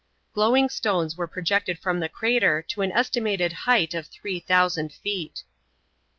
Glowing stones were projected from the crater to an estimated height of three thousand feet.